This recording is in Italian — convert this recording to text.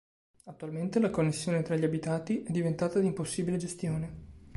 Attualmente, la connessione tra gli abitati è diventata di impossibile gestione.